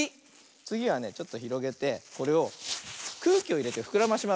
つぎはねちょっとひろげてこれをくうきをいれてふくらまします。